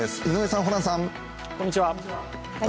井上さん、ホランさん。